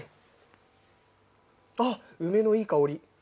あっ、梅のいい香り。